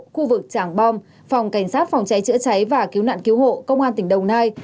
khu vực tràng bom phòng cảnh sát phòng cháy chữa cháy và cứu nạn cứu hộ công an tỉnh đồng nai